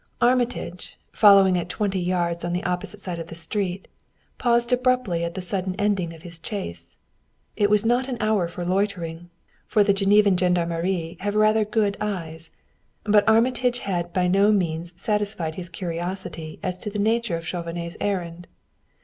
Armitage, following at twenty yards on the opposite side of the street, paused abruptly at the sudden ending of his chase. It was not an hour for loitering, for the Genevan gendarmerie have rather good eyes, but Armitage had by no means satisfied his curiosity as to the nature of Chauvenet's errand.